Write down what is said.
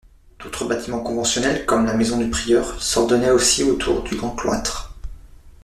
D'autres bâtiments conventuels, comme la maison du prieur, s'ordonnaient aussi autour du grand cloître.